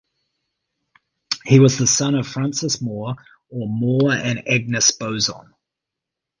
He was the son of Francis More or Moore and Agnes Bozon.